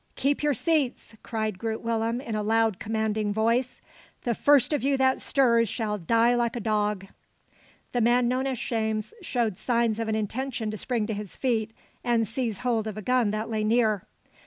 "Keep your seats," cried Groot Willem in a loud, commanding voice. "The first of you that stirs shall die like a dog!" The man known as "Shames," showed signs of an intention to spring to his feet and seize hold of a gun that lay near.